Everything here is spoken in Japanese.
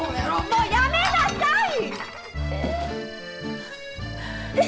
もうやめなさい！